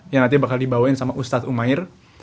yang nanti bakal dibawain sama ustadz umair